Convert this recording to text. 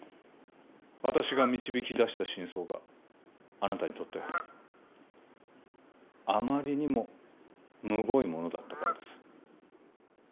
私が導き出した真相があなたにとってあまりにもむごいものだったからです